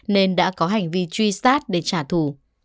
nên đã có hành vi truy sát để trả thù